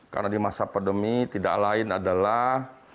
karena di masa pandemi tidak lain adalah